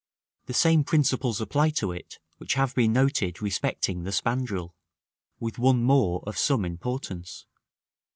The same principles apply to it which have been noted respecting the spandril, with one more of some importance.